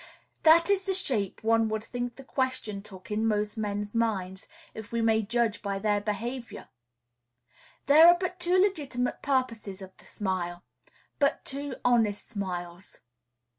That is the shape one would think the question took in most men's minds, if we may judge by their behavior! There are but two legitimate purposes of the smile; but two honest smiles.